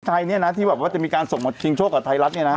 ไทยเนี่ยนะที่แบบว่าจะมีการส่งมาชิงโชคกับไทยรัฐเนี่ยนะ